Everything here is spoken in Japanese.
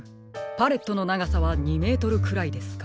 パレットのながさは２メートルくらいですか。